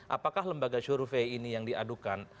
apakah lembaga survei ini yang diadukan